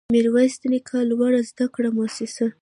ميرويس نيکه لوړو زده کړو مؤسسه